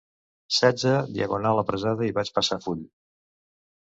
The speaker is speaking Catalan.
Setze diagonal apressada i vaig passar full.